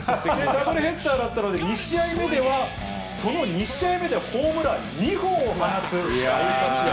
ダブルヘッダーだったので、２試合目では、その２試合目でホームラン２本を放つ大活躍。